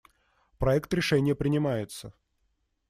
Проект решения принимается.